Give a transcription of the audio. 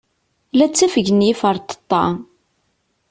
La ttafgen yiferṭeṭṭa.